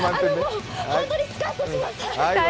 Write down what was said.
本当にスカッとします。